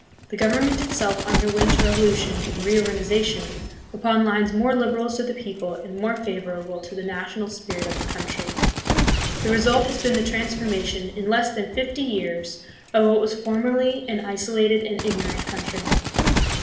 The government itself underwent revolution and reorgani zation upon lines more liberal to the people and more favorable to the national spirit of the country. The result has been the transformation, in less than fifty years, of what was formerly an isolated and ignorant country.